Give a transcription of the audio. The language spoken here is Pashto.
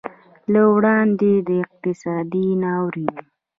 له وړاندې د اقتصادي ناورین